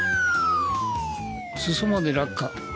裾まで落下。